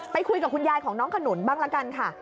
คุยกับคุณยายของน้องขนุนบ้างละกันค่ะ